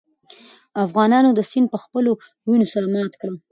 افغانانو دا سند په خپلو وینو سره مات کړ.